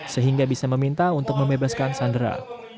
sehingga bisa meminta untuk membebaskan sandera